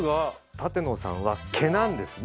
立野さんは毛なんですね。